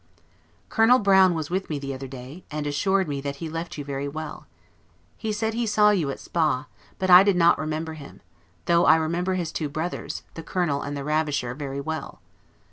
Colonel Browne was with me the other day, and assured me that he left you very well. He said he saw you at Spa, but I did not remember him; though I remember his two brothers, the Colonel and the ravisher, very well.